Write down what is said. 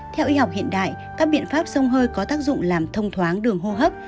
theo y học hiện đại các biện pháp sông hơi có tác dụng làm thông thoáng đường hô hấp